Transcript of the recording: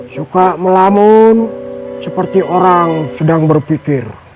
suka melamun seperti orang sedang berpikir